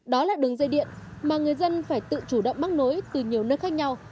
đó là đường dây điện mà người dân phải tự chủ động mắc nối từ nhiều nơi khác nhau